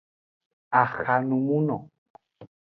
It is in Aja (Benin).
Ahanumuno.